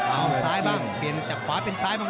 เอาซ้ายบ้างเปลี่ยนจากขวาเป็นซ้ายบ้าง